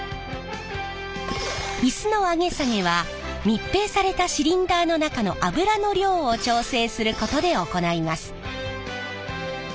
イスの上げ下げは密閉されたシリンダーの中の油の量を調整することで行います。